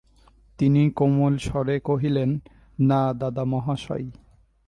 তিনি কোমল স্বরে কহিলেন, না দাদামহাশয়।